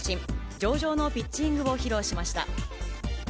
上々のピッチングを披露しました。